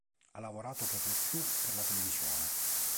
Ha lavorato perlopiù per la televisione.